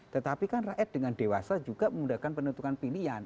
tetapi kan rakyat dengan dewasa juga menggunakan penentukan pilihan